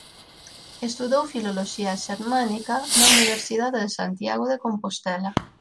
Estudou Filoloxía Xermánica na Universidade de Santiago de Compostela.